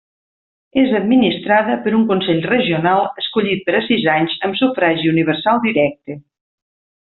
És administrada per un consell regional escollit per a sis anys amb sufragi universal directe.